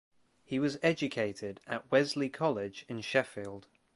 He was educated at Wesley College in Sheffield.